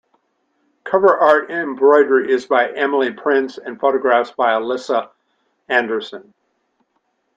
Cover art embroidery is by Emily Prince and photographs are by Alissa Anderson.